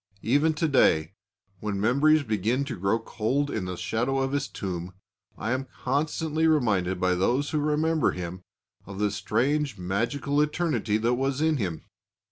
Even to day, when memories begin to grow cold in the shadow of his tomb, I am constantly reminded by those who remember him of the strange magical eternity that was in him.